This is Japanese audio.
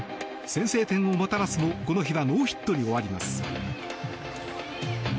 先制点をもたらすもこの日はノーヒットに終わります。